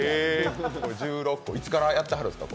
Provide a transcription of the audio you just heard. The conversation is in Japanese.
いつからやってはるんですか？